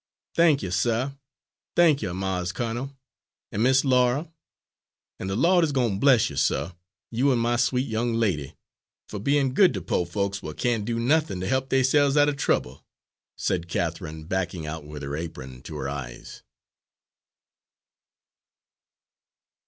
"Thank'y, suh, thank'y, Mars' Colonel, an' Miss Laura! An' de Lawd is gwine bless you, suh, you an' my sweet young lady, fuh bein' good to po' folks w'at can't do nuthin' to he'p deyse'ves out er trouble," said Catharine backing out with her apron to her eyes.